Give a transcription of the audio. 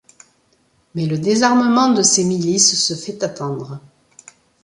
Mais le désarmement de ces milices se fait attendre.